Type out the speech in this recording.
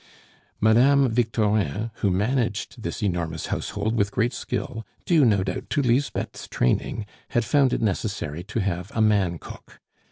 Madame Victorin, who managed this enormous household with great skill, due, no doubt, to Lisbeth's training, had found it necessary to have a man cook.